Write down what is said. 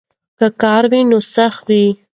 که کار وي نو سخا وي.